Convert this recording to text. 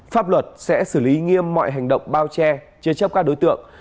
pháp luật sẽ xử lý nghiêm mọi hành động bao che chế chấp các đối tượng